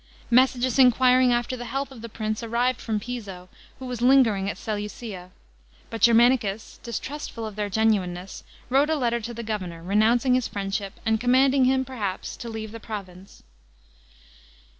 Messages enquiring after the health of the prince arrived from Piso, who was lingering at Seleucia; br.t Germanicus, distrustful of their genuineness, wrote a letter to the governor, renouncing his friendship, and commanding him, perhaps, to leave the province.